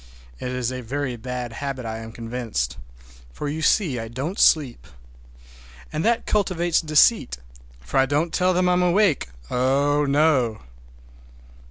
It is a very bad habit, I am convinced, for, you see, I don't sleep. And that cultivates deceit, for I don't tell them I'm awake,—oh, no!